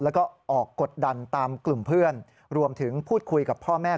แล้วก็ออกกดดันตามกลุ่มเพื่อนรวมถึงพูดคุยกับพ่อแม่